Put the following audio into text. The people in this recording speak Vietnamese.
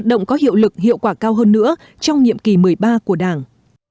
động có hiệu lực hiệu quả cao hơn nữa trong nhiệm kỳ một mươi ba của đảng